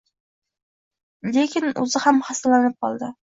lekin o'zi ham xastalanib qoldi.